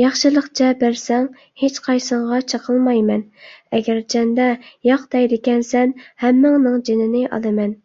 ياخشىلىقچە بەرسەڭ، ھېچقايسىڭغا چېقىلمايمەن، ئەگەرچەندە ياق دەيدىكەنسەن، ھەممىڭنىڭ جېنىنى ئالىمەن.